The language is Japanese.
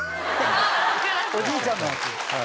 おじいちゃんの。